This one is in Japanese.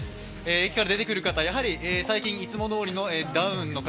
駅から出てくる方、やはり最近いつもどおりのダウンの方